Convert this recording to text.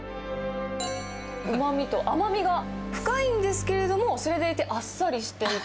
うまみと甘みが深いんですけれども、それでいてあっさりしていて。